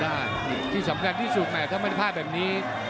ดีสำคัญที่สุดแต่มันก็แบบนี้